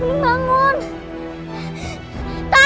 kamu gak usah nangis ya